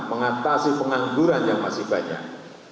mengatasi pengangguran yang masih banyak